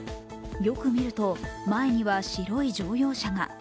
よく見ると、前には白い乗用車が。